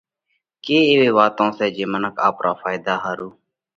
ڪي ايوي واتون سئہ جي منکي آپرا ڦائيۮا ۿارُو